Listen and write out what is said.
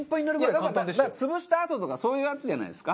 だから潰したあととかそういうやつじゃないですか？